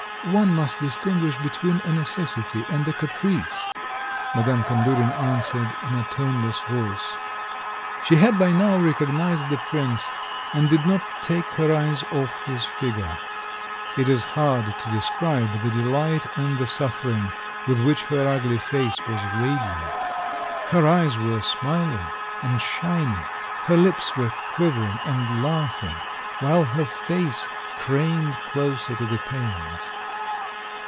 "One must distinguish between a necessity and a caprice," Madame Kandurin answered in a toneless voice. She had by now recognized the prince, and did not take her eyes off his figure. It is hard to describe the delight and the suffering with which her ugly face was radiant! Her eyes were smiling and shining, her lips were quivering and laughing, while her face craned closer to the panes.